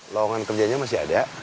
lawangan kerjanya masih ada